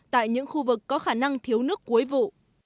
tại những khu vực có khả năng thiếu nước cuối vụ